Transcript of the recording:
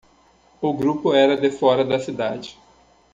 O grupo era de fora da cidade.